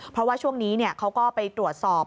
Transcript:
เพราะว่าช่วงนี้เขาก็ไปตรวจสอบ